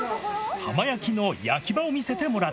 浜焼きの焼き場を見せてもら